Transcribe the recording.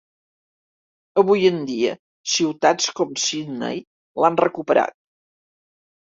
Avui en dia, ciutats com Sydney l'han recuperat.